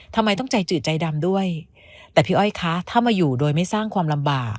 ทำไมต้องใจจืดใจดำด้วยแต่พี่อ้อยคะถ้ามาอยู่โดยไม่สร้างความลำบาก